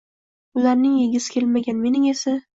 Ularning yegisi kelmagan, mening esa…